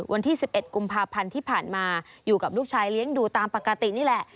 วันที่๑๑กุมภาพันธ์ที่ผ่านมาอยู่กับลูกชายเลี้ยงดูตามปกตินี่แหละ